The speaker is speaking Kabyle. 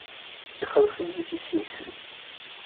Ixelleṣ-iyi tissit.